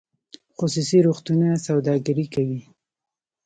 خصوصي روغتونونه سوداګري کوي